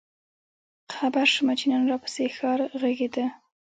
خبـــــر شومه چې نن راپســـې ښار غـــــږېده؟